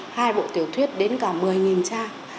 hai bộ tiểu thuyết đến cả một mươi trang